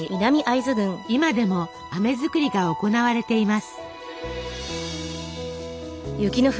今でもあめ作りが行われています。